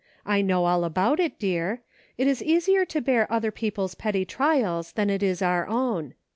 I know all about it, dear; it is easier to bear other people's petty trials than it is our own.